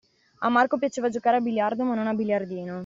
A Marco piaceva giocare a biliardo, ma non a biliardino.